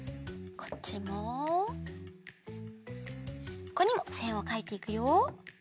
ここにもせんをかいていくよ。